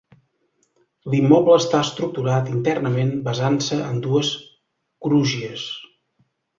L'immoble està estructurat internament basant-se en dues crugies.